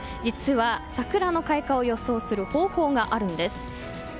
実は、桜の開花を予想する方法があるんです。